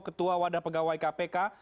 ketua wadah pegawai kpk